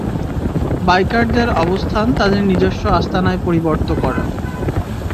বাইকারদের অবস্থান তাদের নিজস্ব আস্তানায় পরিবর্ত কর।